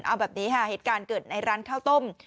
เอาแบบนี้ค่ะเหตุการณ์เกิดในร้านข้าวต้ม